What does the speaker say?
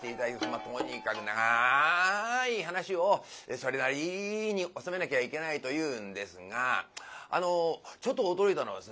まっとにかくながい噺をそれなりに収めなきゃいけないというんですがあのちょっと驚いたのはですね